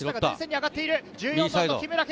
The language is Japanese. １４番の木村憲